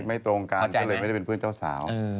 ตรงกันก็เลยไม่ได้เป็นเพื่อนเจ้าสาว